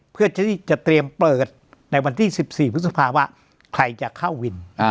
เพื่อที่จะเตรียมเปิดในวันที่๑๔วันที่๑๔วันที่๑๔ว่าใครจะเข้าวิน